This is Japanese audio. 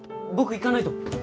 僕行かないと。